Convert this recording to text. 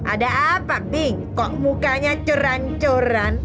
ada apa nih kok mukanya curan curan